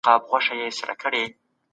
دا کار لوستونکو ته هېڅ ګټه نه رسوي.